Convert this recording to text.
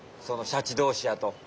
そのシャチどうしやと。